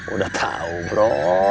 udah tau bro